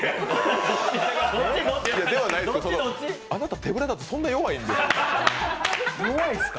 ではないですけど、あなた、手ぶらだとそんなに弱いんですか？